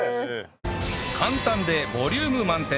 簡単でボリューム満点！